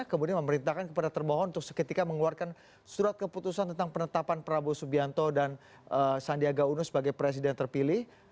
kemudian memerintahkan kepada terbohong untuk seketika mengeluarkan surat keputusan tentang penetapan prabowo subianto dan sandiaga uno sebagai presiden terpilih